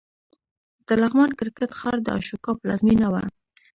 د لغمان کرکټ ښار د اشوکا پلازمېنه وه